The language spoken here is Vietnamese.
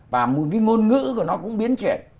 và một cái ngôn ngữ của nó cũng biến chuyển